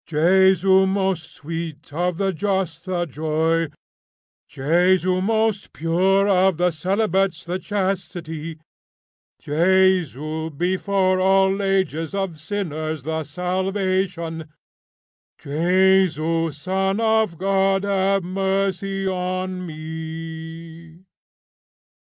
Jesu most sweet, of the just the joy. Jesu most pure, of the celibates the chastity. Jesu before all ages of sinners the salvation. Jesu, son of God, have mercy on me."